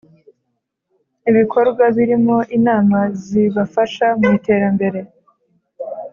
ibikorwa birimo inama zibafasha mu iterambere